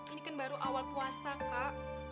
ini kan baru awal puasa kak